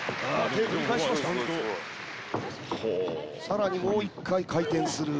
さらにもう１回回転する。